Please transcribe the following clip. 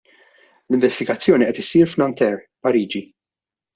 L-investigazzjoni qed issir f'Nanterre, Pariġi.